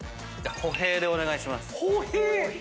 ホヘイでお願いします。